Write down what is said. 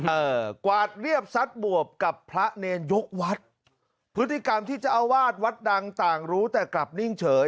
เออกวาดเรียบซัดบวบกับพระเนรยกวัดพฤติกรรมที่เจ้าอาวาสวัดดังต่างรู้แต่กลับนิ่งเฉย